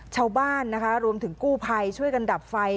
ชาวบ้านนะคะรวมถึงกู้ภัยช่วยกันดับไฟ